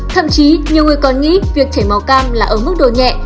thậm chí nhiều người còn nghĩ việc chảy màu cam là ở mức độ nhẹ